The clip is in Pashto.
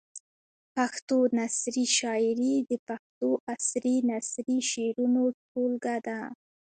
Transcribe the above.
پښتو نثري شاعري د پښتو عصري نثري شعرونو ټولګه ده.